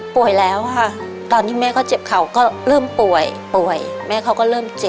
แล้วค่ะตอนที่แม่ก็เจ็บเขาก็เริ่มป่วยป่วยแม่เขาก็เริ่มเจ็บ